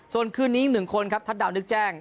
ส่วนคืนนี้อีก๑คนครับทัศดาวนึกแจ้ง